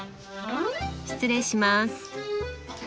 失礼します。